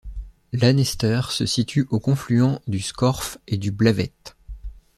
Lanester se situe au confluent du Scorff et du Blavet.